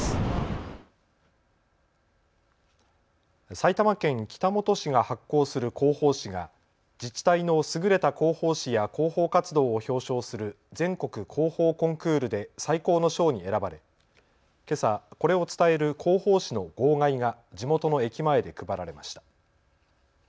埼玉県北本市が発行する広報紙が自治体の優れた広報紙や広報活動を表彰する全国広報コンクールで最高の賞に選ばれけさ、これを伝える広報紙の号外が地元の駅前で配られました。